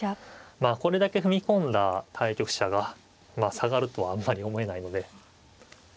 まあこれだけ踏み込んだ対局者が下がるとはあんまり思えないので。